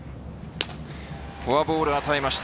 フォアボールを与えました。